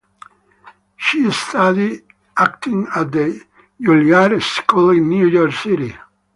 She studied acting at the Juilliard School in New York City.